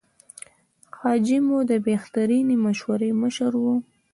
حاجي مو د بهترینې مشورې مشر و.